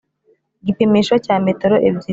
Igipimisho cya metero ebyiri